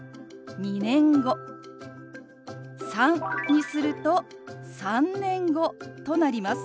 「３」にすると「３年後」となります。